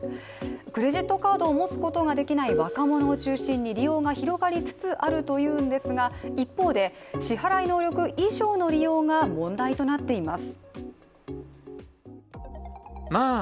クレジットカードを持つことができない若者を中心に利用が広がりつつあるというのですが、一方で支払い能力以上の利用が問題となっています。